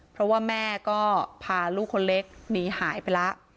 เพราะว่าแม่ก็พาลูกคนเล็กหนีหายไปแล้ว